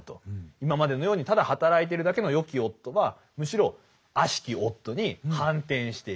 今までのようにただ働いてるだけのよき夫はむしろあしき夫に反転していく。